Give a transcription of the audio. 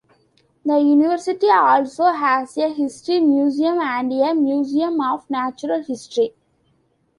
The University also has a history museum and a museum of natural history.